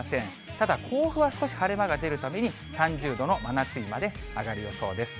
ただ、甲府は少し晴れ間が出るために、３０度の真夏日まで上がる予想です。